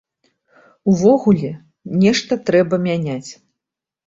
Увогуле, нешта трэба мяняць.